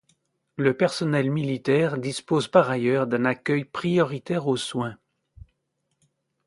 Le personnel militaire dispose par ailleurs d’un accueil prioritaire aux soins.